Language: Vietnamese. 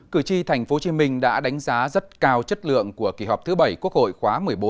cử tri tp hcm đã đánh giá rất cao chất lượng của kỳ họp thứ bảy quốc hội khóa một mươi bốn